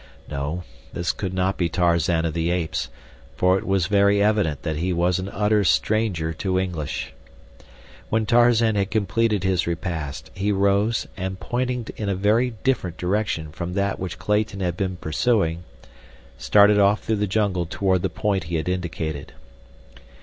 No, this could not be Tarzan of the Apes, for it was very evident that he was an utter stranger to English. When Tarzan had completed his repast he rose and, pointing a very different direction from that which Clayton had been pursuing, started off through the jungle toward the point he had indicated.